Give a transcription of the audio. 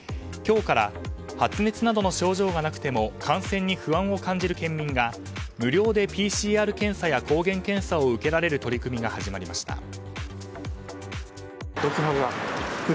今日から発熱などの症状がなくても感染に不安を感じる県民が無料でＰＣＲ検査や抗原検査を受けられる取り組みが始まりました。